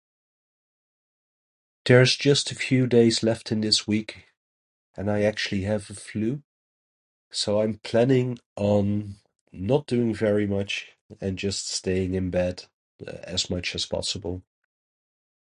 There is just a few days left in this week, and I actually have the flu. So, I'm planning on not doing very much, and just staying in bed as much as possible.